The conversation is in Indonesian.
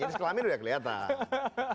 jenis kelamin udah kelihatan